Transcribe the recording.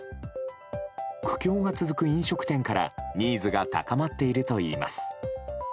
苦境が続く飲食店からニーズが高まっているといいます。